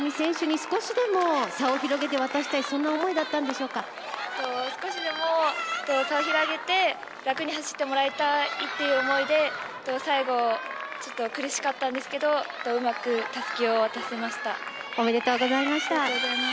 少しでも差を広げて楽に走ってもらいたいという思いで最後は、ちょっと苦しかったんですけどおめでとうございました。